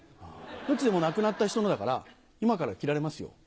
どっちでも亡くなった人のだから今から着られますよ。